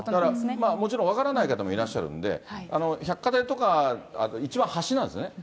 だからもちろん分からない方もいらっしゃるんで、百貨店とか、一番端なんですね。